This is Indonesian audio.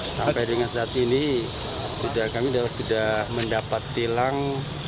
sampai dengan saat ini kami sudah mendapat tilang